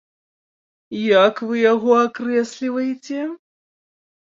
Як вы яго акрэсліваеце?